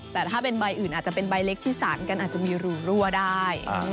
แต่ถ้าเป็นใบอื่นอาจจะเป็นใบเล็กที่สารกันอาจจะมีรูรั่วได้